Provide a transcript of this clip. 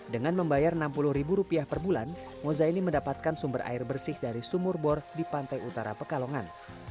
dengan membayar rp enam puluh ribu rupiah per bulan moza ini mendapatkan sumber air bersih dari sumur bor di pantai utara pekalongan